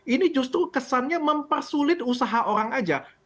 ini justru kesannya mempersulit usaha orang aja